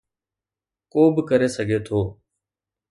ڪو به ڪري سگهي ٿو.